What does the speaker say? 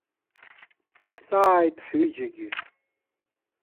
Ҳҵааит ҳҩыџьагьы.